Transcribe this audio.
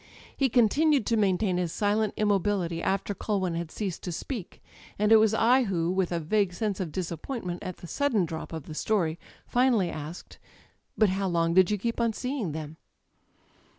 He continued to main tain his silent inmiobility after Culwin had ceased to speak, and it was I who, with a vague sense of dis appointment at the sudden drop of the story, finally asked: ^^But how long did you keep on seeing them?''